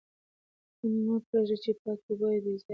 ته مه پرېږده چې پاکې اوبه بې ځایه بهېږي.